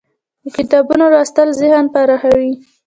د کتابونو لوستل ذهن پراخوي.